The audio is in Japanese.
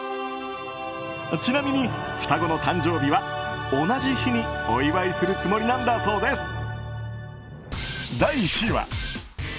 ちなみに、双子の誕生日は同じ日にお祝いするつもりなんだそうです。